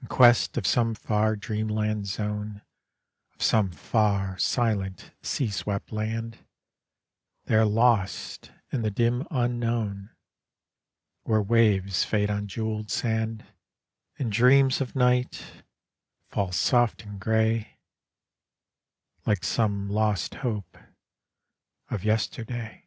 In quest of some far dreamland zone, Of some far silent sea swept land, They are lost in the dim unknown, Vhere waves fade on Jeweled sand And dreams of night fall soft and gray, Like some lost hope of yesterday.